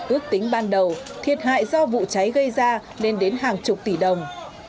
ước tính ban đầu thiệt hại do vụ cháy gây ra lên đến hàng chục tỷ đồng